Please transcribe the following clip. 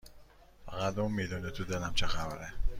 فقط اون میدونه تو دلم چه خبره